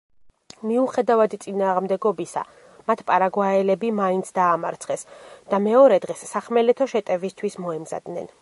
მიუხედავად წინააღმდეგობისა, მათ პარაგვაელები მაინც დაამარცხეს და მეორე დღეს სახმელეთო შეტევისთვის მოემზადნენ.